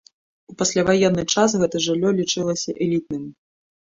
У пасляваенны час гэта жыллё лічылася элітным.